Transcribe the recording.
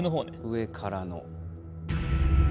上からの。